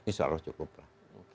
insya allah cukup lah